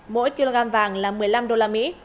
mỗi kg vàng là một mươi năm đô la mỹ